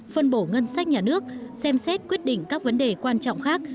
phân bổ ngân sách nhà nước xem xét quyết định các vấn đề quan trọng khác